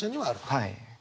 はい。